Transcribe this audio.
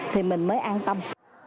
thì mình mới an tâm